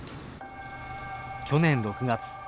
去年６月。